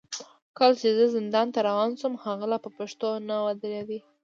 کله چې زه زندان ته روان شوم، هغه لا په پښو نه و درېدلی.